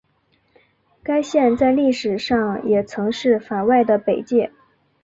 该线在历史上也曾是法外的北界。